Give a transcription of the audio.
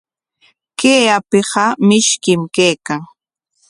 Kay apiqa mishkim kaykan.